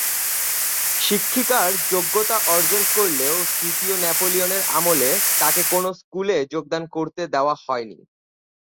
শিক্ষিকার যোগ্যতা অর্জন করলেও তৃতীয় নেপোলিয়নের আমলে তাকে কোনো স্কুলে যোগদান করতে দেওয়া হয়নি।